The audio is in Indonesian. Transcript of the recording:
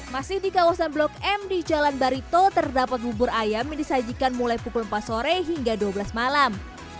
masih di kawasan blok m di jalan barito terdapat bubur ayam yang disajikan mulai pukul empat sore hingga dua belas malam